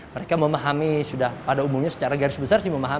mereka memahami sudah pada umumnya secara genar